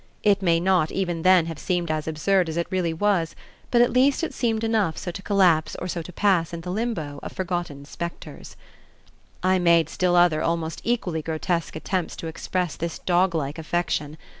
It may not even then have seemed as absurd as it really was, but at least it seemed enough so to collapse or to pass into the limbo of forgotten specters. I made still other almost equally grotesque attempts to express this doglike affection.